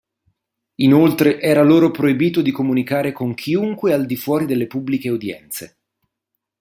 Inoltre era loro proibito di comunicare con chiunque al di fuori delle pubbliche udienze.